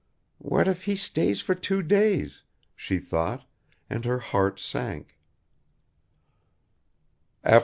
"What if he stays for two days?" she thought, and her heart sank.